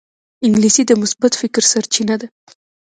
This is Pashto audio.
انګلیسي د مثبت فکر سرچینه ده